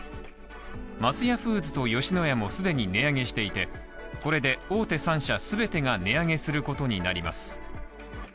松屋フーズと吉野家も既に値上げしていて、これで大手３社全てが値上げすることになります。